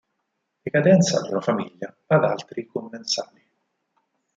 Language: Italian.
Decadenza di una famiglia", ad altri commensali.